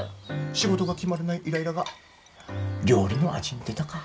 仕事が決まらないイライラが料理の味に出たか。